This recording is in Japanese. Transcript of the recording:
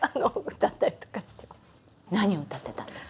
何を歌ってたんですか？